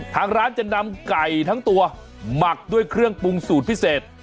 ทางร้านจะนำไก่ทั้งตัวหมักด้วยเครื่องปรุงสูตรพิเศษ